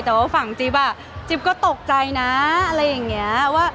แต่ว่าฝั่งจิ๊บอ่ะจิ๊บก็ตกใจนะอะไรอย่างนี้